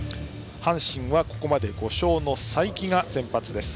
阪神はここまで５勝の才木が先発です。